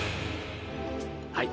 はい。